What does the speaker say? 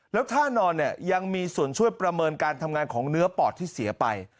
แล้วท่านอนเนี่ยยังมีส่วนช่วยประเมินการทำงานของเนื้อปอดที่เสียไป